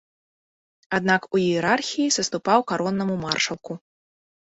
Аднак у іерархіі саступаў кароннаму маршалку.